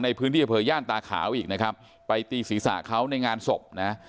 ในพื้นที่เผย่าญาตราขาวอีกไปตีศีรษะเขาในงานศพ